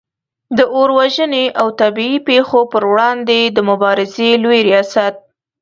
د اور وژنې او طبعې پیښو پر وړاندې د مبارزې لوي ریاست